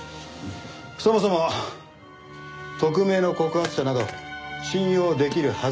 そもそも匿名の告発者など信用できるはずがない。